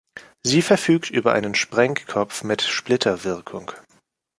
Sie verfügt über einen Sprengkopf mit Splitterwirkung.